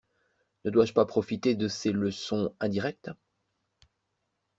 Ne dois-je pas profiter de ces leçons indirectes?